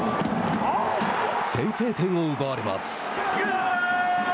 先制点を奪われます。